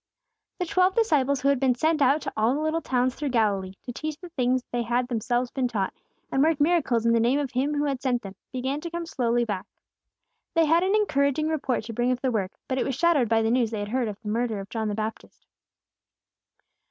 The twelve disciples who had been sent out to all the little towns through Galilee, to teach the things they had themselves been taught, and work miracles in the name of Him who had sent them, began to come slowly back. They had an encouraging report to bring of their work; but it was shadowed by the news they had heard of the murder of John Baptist.